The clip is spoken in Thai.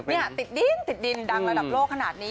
เนี่ยติดดิ้นดังระดับโลกขนาดนี้